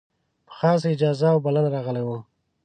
په خاصه اجازه او بلنه راغلی وم.